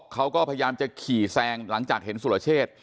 เขาก็พยายามจะขี่แซงหลังจากเห็นสุรเชษ